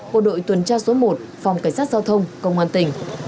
bộ đội tuần tra số một phòng cảnh sát giao thông công an tỉnh